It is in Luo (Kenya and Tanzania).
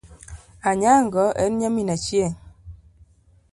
Anyango en nyamin Achieng .